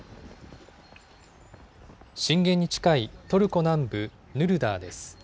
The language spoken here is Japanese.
震源に近いトルコ南部ヌルダーです。